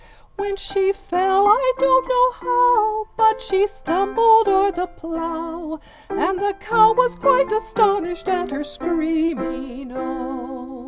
When she fell, I don't know how, But she stumbled o'er the plough, And the cow was quite astonished at her screaming O!